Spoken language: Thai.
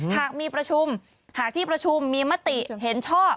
หากมีประชุมหากที่ประชุมมีมติเห็นชอบ